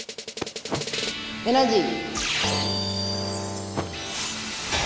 エナジー。